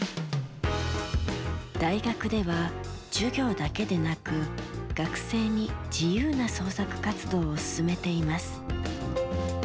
大学では授業だけでなく、学生に自由な創作活動を勧めています。